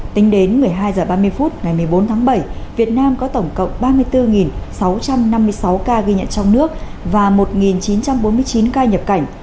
tính đến một mươi hai h ba mươi phút ngày một mươi bốn tháng bảy việt nam có tổng cộng ba mươi bốn sáu trăm năm mươi sáu ca ghi nhận trong nước và một chín trăm bốn mươi chín ca nhập cảnh